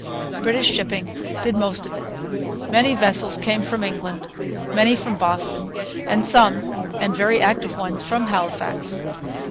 British shipping did most of it. Many vessels came from England, many from Boston, some, and very active ones, from Halifax.